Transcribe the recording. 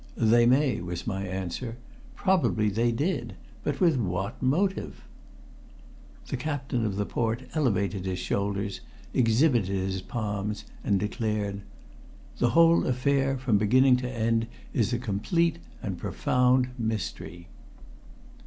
"They may," was my answer. "Probably they did. But with what motive?" The Captain of the Port elevated his shoulders, exhibited his palms, and declared "The whole affair from beginning to end is a complete and profound mystery."